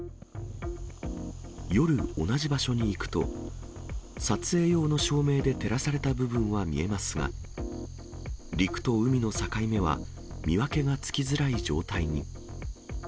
夜、同じ場所に行くと、撮影用の照明で照らされた部分は見えますが、陸と海の境目は見分けがつきづらい状態に。